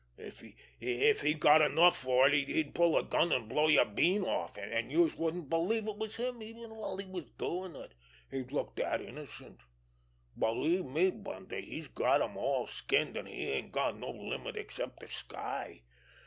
If he got enough for it he'd pull a gun an' blow yer bean off, an' youse wouldn't believe it was him even while he was doin' it, he'd look dat innocent. Believe me, Bundy! He's got 'em all skinned, an' he ain't got no limit except de sky.